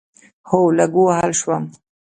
هو، لږ ووهل شوم